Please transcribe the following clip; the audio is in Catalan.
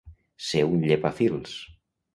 Ser un llepafils.